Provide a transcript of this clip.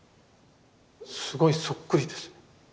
すごいそっくりです。